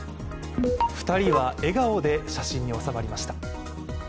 ２人は笑顔で写真に収まりました。